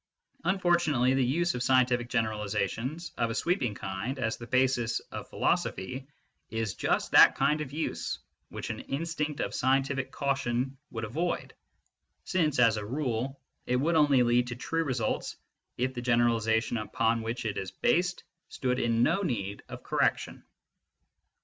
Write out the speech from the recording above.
Unfortunately the use of scientific generalisa tions of a sweeping kind as the basis of philosophy is just that kind of use which an instinct of scientific caution would avoid, since, as a rule, it^oj:dd^qnly_lea4_to_true results if the generalisation upon which it is based stood in no need of correction.